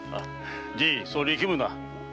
じいそう力むな。